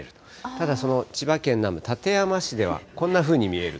ただその千葉県の館山市ではこんなふうに見えると。